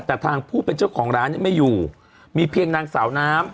แต่ทางผู้เป็นเจ้าของร้านไม่อยู่มีเพียงนางสาวน้ำ